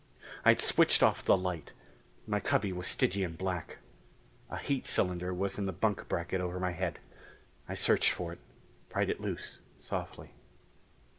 I had switched off the light; my cubby was Stygian black. A heat cylinder was in the bunk bracket over my head. I searched for it, pried it loose softly.